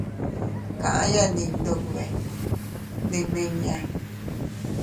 Kaʼya ndi Iyndube, ndimiña.